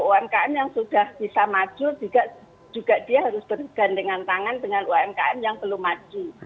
umkm yang sudah bisa maju juga dia harus bergandengan tangan dengan umkm yang belum maju